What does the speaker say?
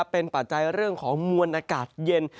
เป็นปัจจัยเรื่องของมวลอากาศเย็น